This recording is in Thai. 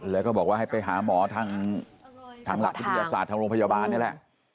แล้วก็บอกว่าให้ไปหาหมอทางทางหลักศึกษาธรรมพยาบาลเนี่ยแหละ